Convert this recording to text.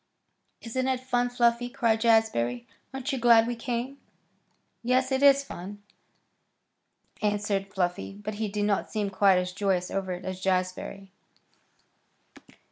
"Isn't it fun, Fluffy?" cried Jazbury. "Aren't you glad we came?" "Yes, it is fun," answered Fluffy; but he did not seem quite as joyous over it as Jazbury.